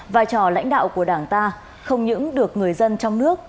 vai trò lãnh đạo của đảng ta không những được người dân trong nước